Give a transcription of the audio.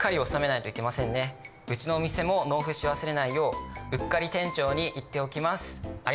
うちのお店も納付し忘れないよううっかり店長に言っておきます。